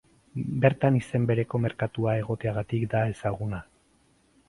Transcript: Bertan izen bereko merkatua egoteagatik da ezaguna.